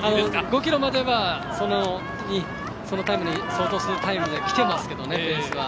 ５ｋｍまでは、そのタイムに相当するタイムできてますけどね。